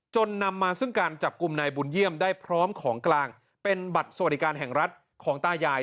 นำมาซึ่งการจับกลุ่มนายบุญเยี่ยมได้พร้อมของกลางเป็นบัตรสวัสดิการแห่งรัฐของตายาย